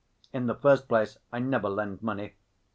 In the first place I never lend money.